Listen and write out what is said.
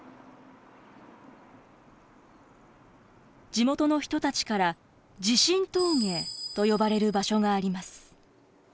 地元の人たちから「地震峠」と呼ばれる場所があります。